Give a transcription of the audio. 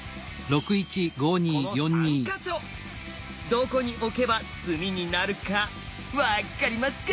どこに置けば詰みになるかわっかりますか？